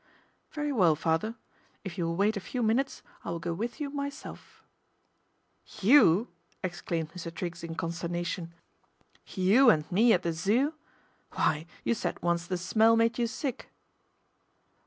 ' Very well, father. If you will wait a few minutes I will go with you myself." ' You !" exclaimed Mr. Triggs in consternation. [46 PATRICIA BRENT, SPINSTER " You and me at the Zoo ! Why you said once the smell made you sick."